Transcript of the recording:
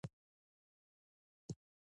فقره د فکر څرګندونه کوي.